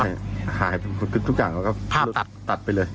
ใช่หายไปหมดทุกอย่างแล้วก็ภาพตัดไปเลย